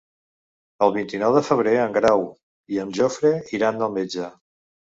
El vint-i-nou de febrer en Grau i en Jofre iran al metge.